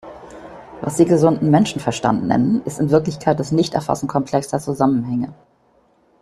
Was Sie gesunden Menschenverstand nennen, ist in Wirklichkeit das Nichterfassen komplexer Zusammenhänge.